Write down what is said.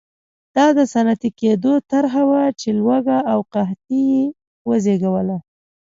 دا د صنعتي کېدو طرحه وه چې لوږه او قحطي یې وزېږوله.